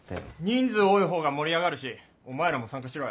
人数多いほうが盛り上がるしお前らも参加しろよ。